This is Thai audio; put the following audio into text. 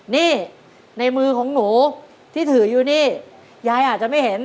นี่ในมือของหนูที่ถืออยู่นี่ยายอาจจะไม่เห็น